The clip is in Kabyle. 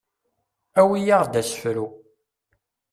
Awi-yaɣ-d asefru.